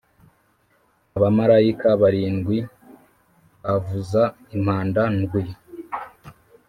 Abamarayika barindwi bavuza impanda ndwi